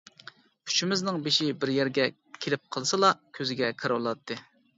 ئۈچىمىزنىڭ بېشى بىر يەرگە كېلىپ قالسىلا، كۆزىگە كىرىۋالاتتى.